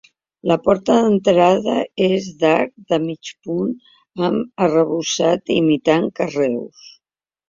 La porta d'entrada és d'arc de mig punt amb arrebossat imitant carreus.